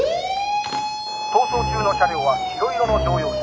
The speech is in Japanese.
逃走中の車両は白色の乗用車。